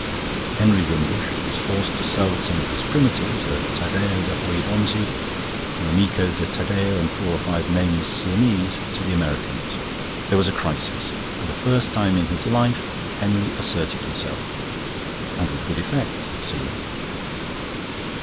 Henry Wimbush was forced to sell some of his Primitives a Taddeo da Poggibonsi, an Amico di Taddeo, and four or five nameless Sienese to the Americans. There was a crisis. For the first time in his life Henry asserted himself, and with good effect, it seemed.